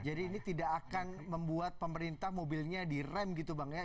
jadi ini tidak akan membuat pemerintah mobilnya direm gitu bang ya